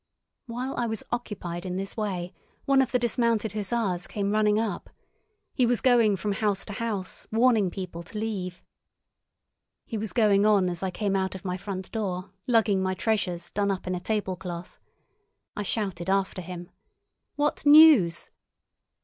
While I was occupied in this way, one of the dismounted hussars came running up. He was going from house to house, warning people to leave. He was going on as I came out of my front door, lugging my treasures, done up in a tablecloth. I shouted after him: "What news?"